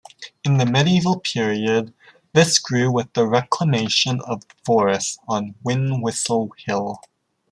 In the medieval period this grew with the reclamation of forest on Windwhistle Hill.